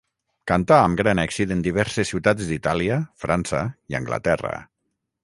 Cantà amb gran èxit en diverses ciutats d'Itàlia, França i Anglaterra.